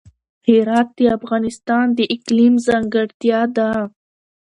هرات د افغانستان د اقلیم ځانګړتیا ده.